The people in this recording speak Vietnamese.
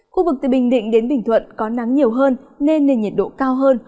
khu vực từ bình định đến bình thuận có nắng nhiều hơn nên nền nhiệt độ cao hơn